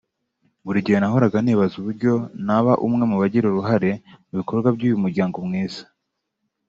Buri gihe nahoraga nibaza uburyo naba umwe mu bagira uruhare mu bikorwa by’uyu muryango mwiza